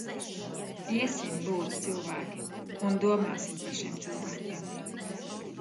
Iesim, lūdzu, cilvēki, un domāsim par šiem cilvēkiem!